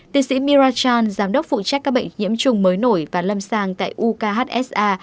tiến sĩ mira chan giám đốc phụ trách các bệnh nhiễm trùng mới nổi và lâm sang tại ukhsa